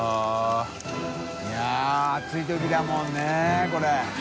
い笋暑いときだもんねこれ。